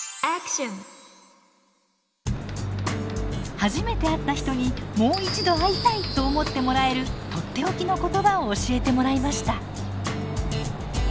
初めて会った人にもう一度会いたいと思ってもらえるとっておきの言葉を教えてもらいました。